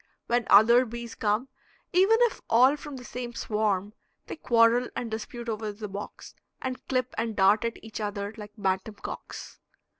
When other bees come, even if all from the same swarm, they quarrel and dispute over the box, and clip and dart at each other like bantam cocks.